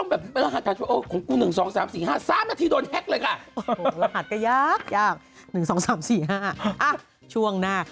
นี่แบบว่าบัตรหมดเร็ว